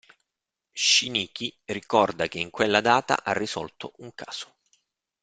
Shinichi ricorda che in quella data ha risolto un caso.